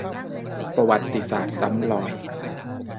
ประวัติศาสตร์ซ้ำรอย